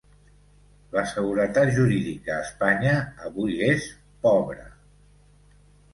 La seguretat jurídica a Espanya avui és pobra.